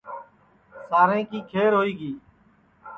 ساریں کی کھیر ہوئی گی